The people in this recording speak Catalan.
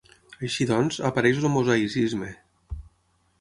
Així doncs, apareix el mosaïcisme.